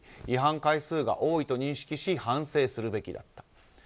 違反回数が多いと認識し反省するべきだったと。